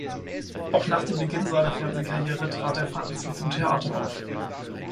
Auch nach dem Beginn seiner Fernsehkarriere trat er vereinzelt im Theater auf.